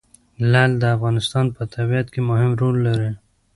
لعل د افغانستان په طبیعت کې مهم رول لري.